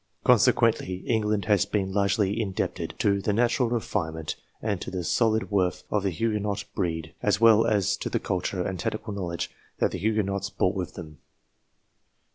Consequently, England has been largely indebted to the natural refinement and to the solid worth of the Huguenot breed, as well as to the culture and technical knowledge that the Huguenots brought with them.